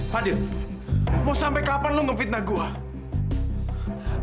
fadil mau sampai kapan lo ngefitnah gue